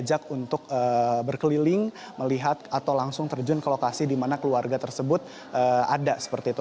diajak untuk berkeliling melihat atau langsung terjun ke lokasi di mana keluarga tersebut ada seperti itu